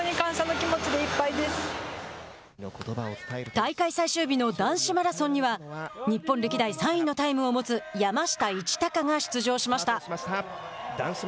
大会最終日の男子マラソンには日本歴代３位のタイムを持つ山下一貴が出場しました。